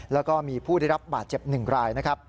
แล้วก็มีผู้ได้รับบาดเจ็บ๑ราย